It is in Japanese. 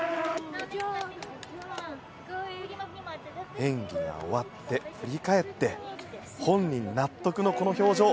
演技が終わって振り返って本人納得のこの表情。